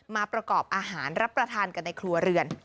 มาประกอบอาหารรับประทานกันในครัวเรือน